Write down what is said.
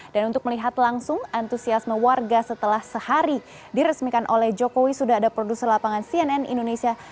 dan untuk melihat langsung antusiasme warga setelah sehari diresmikan oleh jokowi sudah ada produser lapangan cnn indonesia